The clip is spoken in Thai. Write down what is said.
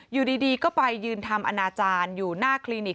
อยู่ดีก็ไปยืนทำอนาจารย์อยู่หน้าคลินิก